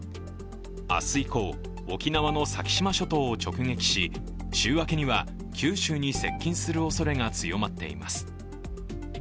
明日以降、沖縄の先島諸島を直撃し週明けには、九州に接近するおそれが強まっています。